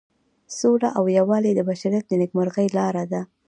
سوله او یووالی د بشریت د نیکمرغۍ لاره ده.